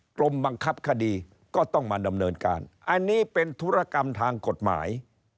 กรมบังคับคดีก็ต้องมาดำเนินการอันนี้เป็นธุรกรรมทางกฎหมาย